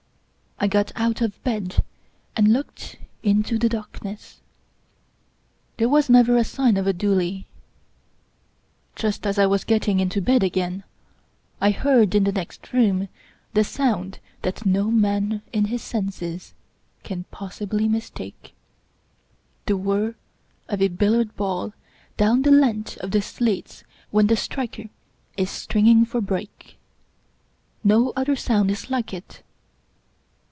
I got out of bed and looked into the darkness. There was never a sign of a doolie. Just as I was getting into bed again, I heard, in the next room, the sound that no man in his senses can possibly mistake — ^the whir of a billiard ball down the length of the slates when the striker is stringing for break. No other sound is like it.